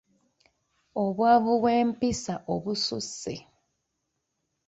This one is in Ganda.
Obwavu bw’empisa obususse.